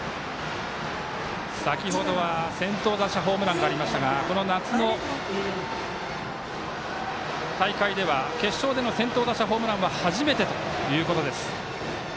先ほどは先頭打者ホームランがありましたがこの夏の大会では決勝での先頭打者ホームランは初めてということです。